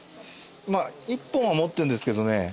まあ１本は持ってるんですけどね。